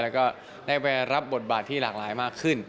แล้วก็ได้ไปรับบทบาทที่หลากหลายมากขึ้น